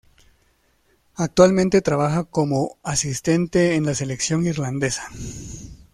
Actualmente trabaja como asistente en la Selección irlandesa.